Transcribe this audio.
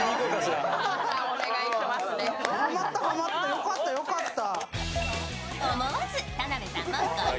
よかった、よかった。